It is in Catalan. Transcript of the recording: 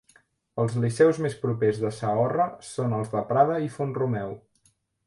Els liceus més propers de Saorra són els de Prada i Font-romeu.